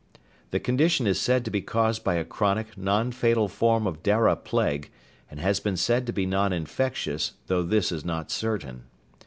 The condition is said to be caused by a chronic, nonfatal form of Dara plague and has been said to be noninfectious, though this is not certain.